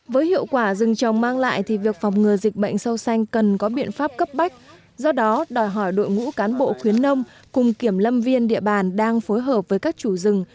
với hiệu quả rừng trồng mang lại thì việc phòng ngừa dịch bệnh sâu xanh cần có biện pháp cấp bách do đó đòi hỏi đội ngũ cán bộ khuyến nông cùng kiểm lâm viên địa bàn đang phối hợp với các chủ rừng